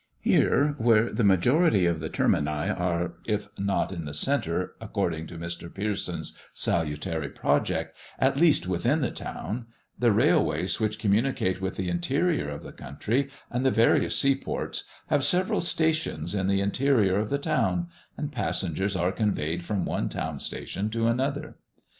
Here, where the majority of the termini are, if not in the centre, according to Mr. Pearson's salutary project, at least within the town, the railways which communicate with the interior of the country, and the various seaports, have several stations in the interior of the town, and passengers are conveyed from one town station to another.